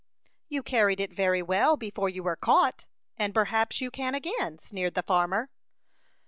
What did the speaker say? "You carried it very well before you were caught, and perhaps you can again," sneered the farmer.